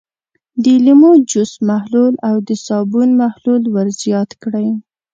د لیمو جوس محلول او د صابون محلول ور زیات کړئ.